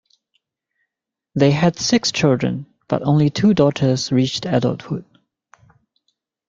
They had six children, but only two daughters reached adulthood.